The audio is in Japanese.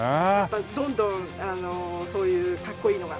どんどんそういうかっこいいのが。